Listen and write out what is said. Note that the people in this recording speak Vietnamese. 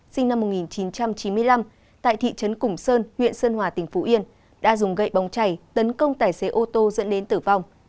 sinh năm một nghìn chín trăm chín mươi năm tại thị trấn củng sơn huyện sơn hòa tỉnh phú yên đã dùng gậy bong chảy tấn công tài xế ô tô dẫn đến tử vong